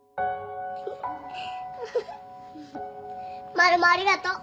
マルモありがとう。